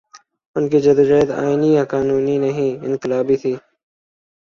ان کی جد وجہد آئینی یا قانونی نہیں، انقلابی تھی۔